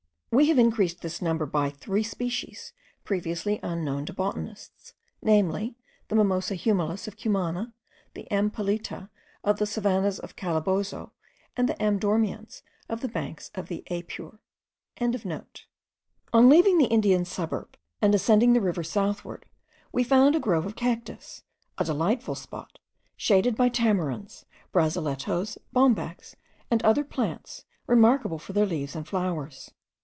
We have increased this number by three species previously unknown to botanists, namely, the Mimosa humilis of Cumana, the M. pellita of the savannahs of Calabozo, and the M. dormiens of the banks of the Apure.) On leaving the Indian suburb, and ascending the river southward, we found a grove of cactus, a delightful spot, shaded by tamarinds, brazilettos, bombax, and other plants, remarkable for their leaves and flowers.